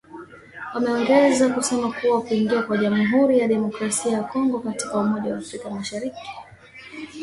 Wameongeza kusema kuwa kuingia kwa Jamuhuri ya Demokrasia ya Kongo katika umoja wa afrika mashariki